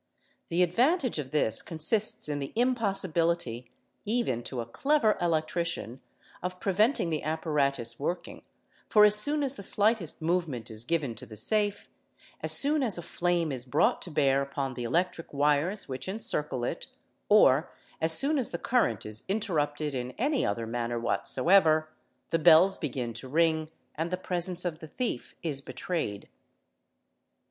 'The advantage of this consists in the impossibility, | even to a clever electrician, of preventing the apparatus working, for as a soon as the slightest movement is given to the safe, as soon as a flame is brought to bear upon the electric wires which encircle it, or as soon as — the current is interrupted in any other manner whatsoever, the bells begin Al to ring and the presence of the thief is betrayed.